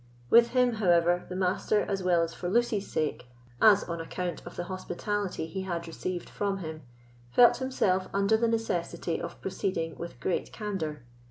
With him, however, the Master, as well for Lucy's sake as on account of the hospitality he had received from him, felt himself under the necessity of proceeding with great candor.